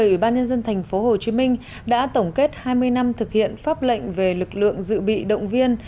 ủy ban nhân dân thành phố hồ chí minh đã tổng kết hai mươi năm thực hiện pháp lệnh về lực lượng dự bị động viên